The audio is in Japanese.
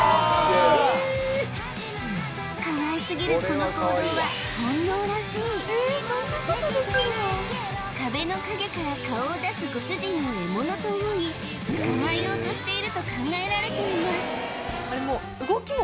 すげえかわいすぎるこの行動は本能らしい壁の陰から顔を出すご主人を獲物と思い捕まえようとしていると考えられています